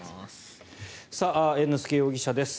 猿之助容疑者です。